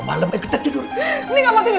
sejak aku nyekukannya